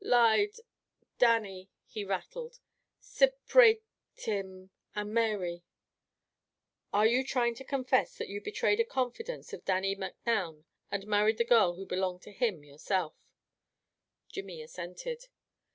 "Lied Dannie," he rattled. "Sip rate him and Mary." "Are you trying to confess that you betrayed a confidence of Dannie Macnoun and married the girl who belonged to him, yourself?" Jimmy assented.